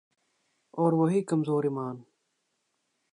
اور وہی کمزور ایمان۔